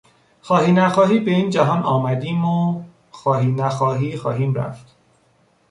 خواهی نخواهی به این جهان آمدیم و خواهی نخواهی خواهیم رفت.